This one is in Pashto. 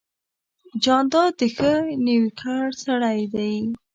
جانداد د ښه نویکر سړی دی.